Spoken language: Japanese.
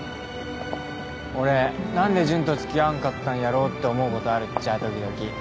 俺何で純とつきあわんかったんやろうって思うことあるっちゃ時々。